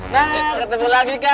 nah ketemu lagi kan